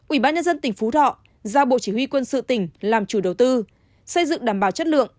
ủy ban nhân dân tỉnh phú thọ giao bộ chỉ huy quân sự tỉnh làm chủ đầu tư xây dựng đảm bảo chất lượng